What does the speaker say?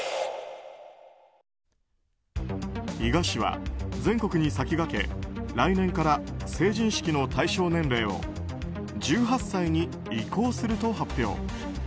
伊賀市は全国に先駆け来年から成人式の対象年齢を１８歳に移行すると発表。